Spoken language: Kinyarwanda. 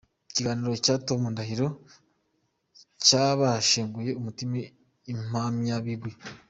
Ikiganiro cya Tom Ndahiro cyabashenguye umutima “Impamyabigwi”.